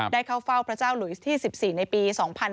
เข้าเฝ้าพระเจ้าหลุยที่๑๔ในปี๒๕๕๙